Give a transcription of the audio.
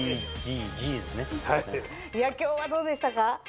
今日はどうでしたか？